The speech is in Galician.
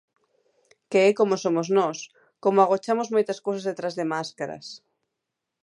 Que é como somos nós, como agochamos moitas cousas detrás de máscaras.